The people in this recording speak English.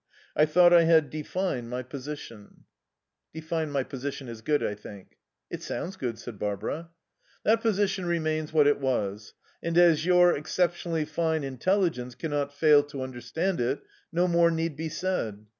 I thought I had defined my position ' "Defined my position is good, I think." "It sounds good," said Barbara. "'That position remains what it was. And as your exceptionally fine intelligence cannot fail to understand it, no more need be said.